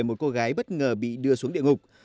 một cô gái bất ngờ bị đưa xuống địa ngục